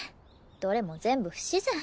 どれも全部不自然。